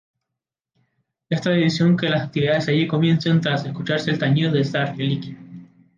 Es tradición que las actividades allí comiencen tras escucharse el tañido de esta reliquia.